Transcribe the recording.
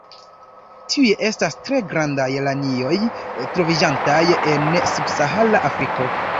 Tiuj estas tre grandaj lanioj troviĝantaj en subsahara Afriko.